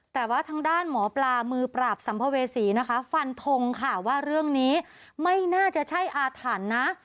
แต่ว่าทางด้านหมอปลามือปราบสัมภเวษีนะคะฟันทงค่ะว่าเรื่องนี้ไม่น่าจะใช่อาถรรพ์นะ